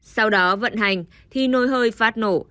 sau đó vận hành thì nồi hơi phát nổ